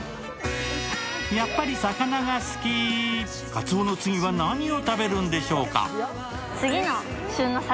やっぱり魚が好き、カツオの次は何を食べるんでしょうか？